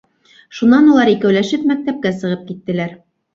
Шунан улар икәүләшеп мәктәпкә сығып киттеләр.